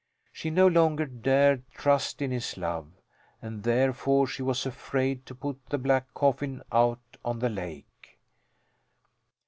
She no longer dared trust in his love, and therefore she was afraid to put the black coffin out on the lake.